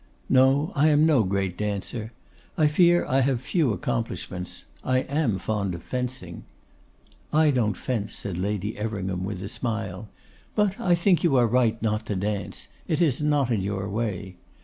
'No; I am no great dancer. I fear I have few accomplishments. I am fond of fencing.' 'I don't fence,' said Lady Everingham, with a smile. 'But I think you are right not to dance. It is not in your way.